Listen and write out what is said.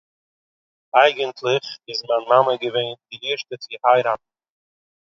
אייגנטליך איז מיין מאַמע געווען די ערשטע צו הייראַטן